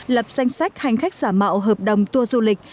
lập danh sách hành khách giả mạo hợp đồng tour du lịch